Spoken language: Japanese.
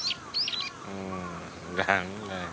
うんダメだよ。